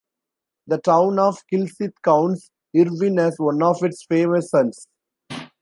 The town of Kilsyth counts Irvine as one of its "famous sons".